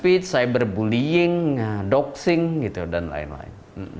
nah ini juga bisa jadi berbullying doxing gitu dan lain lain